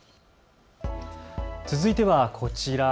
続いてはこちら。